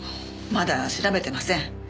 まだ調べてません。